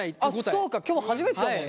そうか今日初めてだもんね。